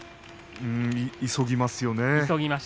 急ぎますよね。